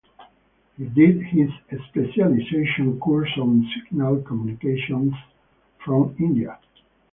He did his specialization Course on Signal Communications from India.